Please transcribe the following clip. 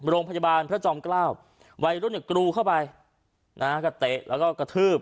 โรงพยาบาลพระจอมเกล้าวัยรุ่นเนี่ยกรูเข้าไปนะฮะก็เตะแล้วก็กระทืบ